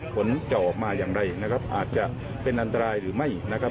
ผลจะออกมาอย่างไรนะครับอาจจะเป็นอันตรายหรือไม่นะครับ